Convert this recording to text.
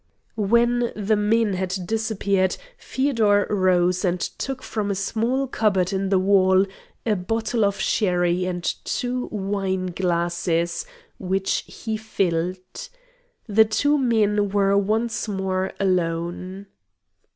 When the men had disappeared Feodor rose and took from a small cupboard in the wall a bottle of sherry and two wine glasses, which he filled. The two men were once more alone.